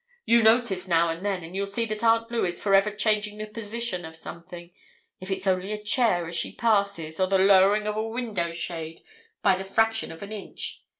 You notice now and then, and you'll see that Aunt Lou is forever changing the position of something, if it's only a chair as she passes or the lowering of a window shade by the fraction of an inch.